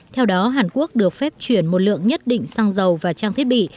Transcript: theo đó hàn quốc được phép chuyển một lượng nhất định xăng dầu và trang thiết bị